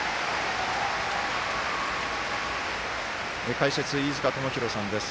解説、飯塚智広さんです。